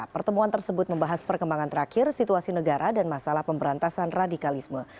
pertemuan tersebut membahas perkembangan terakhir situasi negara dan masalah pemberantasan radikalisme